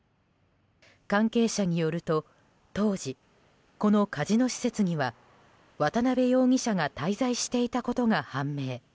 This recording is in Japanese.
関係者によると当時、このカジノ施設には渡邉容疑者が滞在していたことが判明。